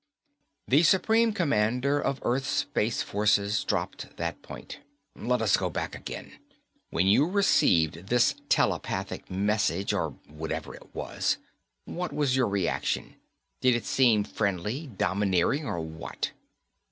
The supreme commander of Earth's space forces dropped that point. "Let us go back again. When you received this telepathic message or whatever it was what was your reaction? Did it seem friendly, domineering, or what?"